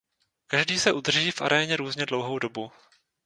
Každý se udrží v aréně různě dlouhou dobu.